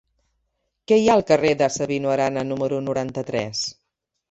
Què hi ha al carrer de Sabino Arana número noranta-tres?